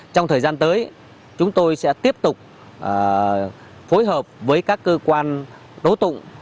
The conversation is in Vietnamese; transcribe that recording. trong thời gian tới chúng tôi sẽ tiếp tục phối hợp với các cơ quan tố tụng